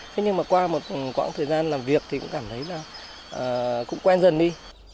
thế nhưng mà qua một quãng thời gian làm việc thì cũng cảm thấy là cũng quen dần đi